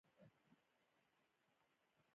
د ظالم کور ورانیږي